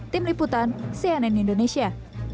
sembilan belas tim liputan cnn indonesia